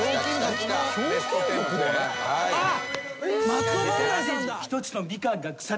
あっ！